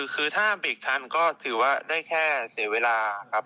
คือถ้าเบรกทันก็ถือว่าได้แค่เสียเวลาครับ